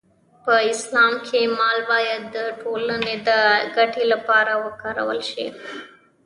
په اسلام کې مال باید د ټولنې د ګټې لپاره وکارول شي.